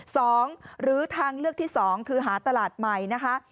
หรือทางเลือกที่สองคือหาตลาดใหม่นะคะ